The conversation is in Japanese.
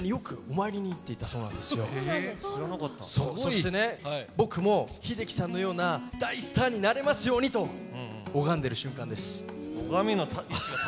そしてね僕も秀樹さんのような大スターになれますようにと拝んでる瞬間です。